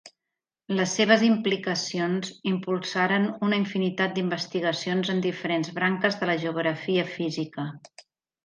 Les seves implicacions impulsaren una infinitat d'investigacions en diferents branques de la geografia física.